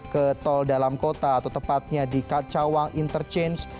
ke tol dalam kota atau tepatnya di kacawang interchange